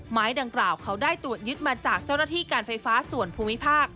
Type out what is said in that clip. ไม้ดังกล่าวเขาได้ตรวจยึดมาจากเจ้าหน้าที่การไฟฟ้าส่วนภูมิภาค